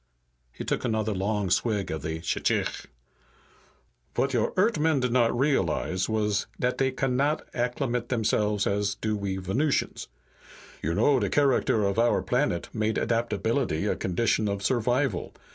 He took another long swig of shchikh. "Vat your Eart'men did not realize was dat dey cannot acclimate themselves as do we Venusians. You know de character of our planet made adaptability a condition of survival.